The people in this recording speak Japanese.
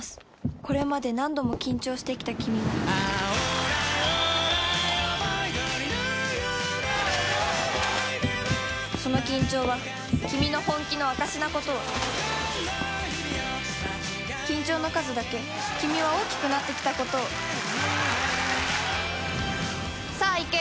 これまで何度も緊張してきたキミをその緊張はキミの本気の証しなことを緊張の数だけキミは大きくなってきたことをさぁいけ！